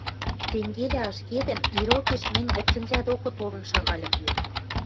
Тенгелӓ ашкедӹн, ирокеш мӹнь вӹдсӹнзӓ докы толын шагальым.